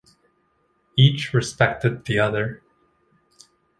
Each respected the other.